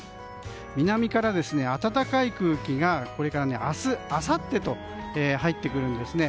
南から暖かい空気がこれから、明日あさってと入ってくるんですね。